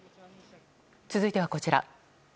続いてはこちら。